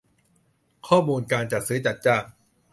ข้อมูลการจัดซื้อจัดจ้าง